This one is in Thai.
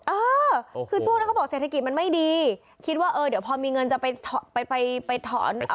เออคือช่วงนั้นเขาบอกเศรษฐกิจมันไม่ดีคิดว่าเออเดี๋ยวพอมีเงินจะไปไปถอน